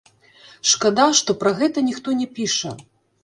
Шкада, што пра гэта ніхто не піша.